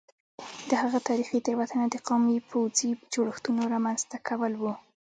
د هغه تاریخي تېروتنه د قومي پوځي جوړښتونو رامنځته کول وو